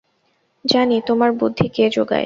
জানি তোমার বুদ্ধি কে জোগায়।